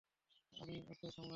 আমি ওকে সামলাচ্ছি।